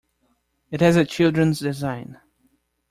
It has a children's design.